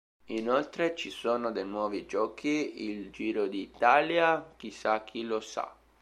Inoltre ci sono dei nuovi giochi: il "Giro d'Italia", "Chissà chi lo sa!